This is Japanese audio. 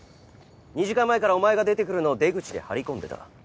２時間前からお前が出て来るのを出口で張り込んでた。